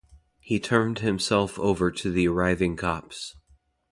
He turned himself over to the arriving cops.